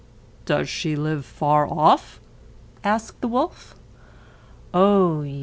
"Does she live far off?" said the wolf. "Oh yes!"